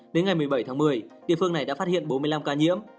đến ngày một mươi bảy tháng một mươi địa phương này đã phát hiện bốn mươi năm ca nhiễm